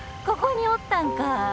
ここにおったんか。